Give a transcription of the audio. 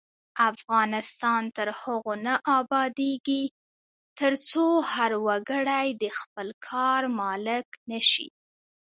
افغانستان تر هغو نه ابادیږي، ترڅو هر وګړی د خپل کار مالک نشي.